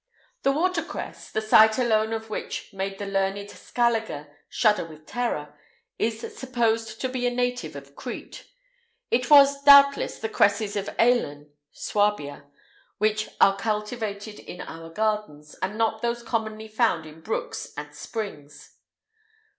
The water cress, the sight alone of which made the learned Scaliger shudder with terror, is supposed to be a native of Crete. It was, doubtless, the cresses of Alen (Suabia), which are cultivated in our gardens, and not those commonly found in brooks and springs.